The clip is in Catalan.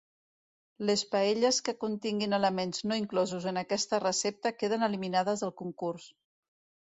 Les paelles que continguin elements no inclosos en aquesta recepta queden eliminades del concurs.